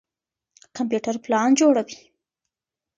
کمپيوټر پلان جوړوي.